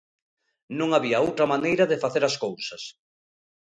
Non había outra maneira de facer as cousas.